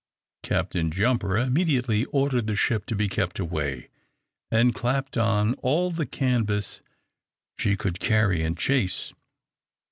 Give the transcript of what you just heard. Captain Jumper immediately ordered the ship to be kept away, and clapped on all the canvas she could carry in chase.